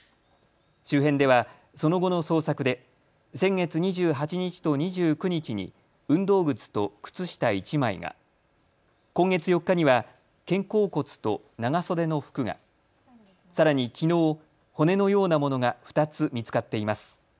周辺ではその後の捜索で先月２８日と２９日に運動靴と靴下１枚が、今月４日には肩甲骨と長袖の服が、さらにきのう骨のようなものが２つ見つかっています。